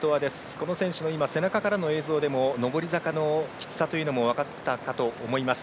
この選手も背中からの映像でも上り坂のきつさが分かったかと思います。